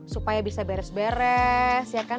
supaya bisa beres beres ya kan